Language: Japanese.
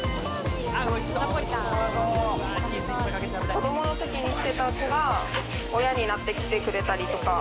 子供の時に来ていた子が親になって来てくれたりとか。